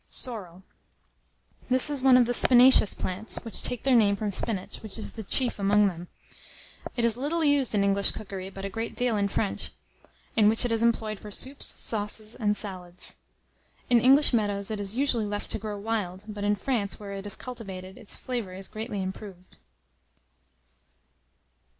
SORREL. This is one of the spinaceous plants, which take their name from spinach, which is the chief among them. It is little used in English cookery, but a great deal in French, in which it is employed for soups, sauces, and salads. In English meadows it is usually left to grow wild; but in France, where it is cultivated, its flavour is greatly improved.